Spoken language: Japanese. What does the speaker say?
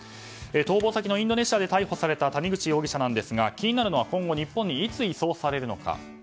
逃亡先のインドネシアで逮捕された谷口容疑者なんですが気になるのは今後日本にいつ移送されるのか。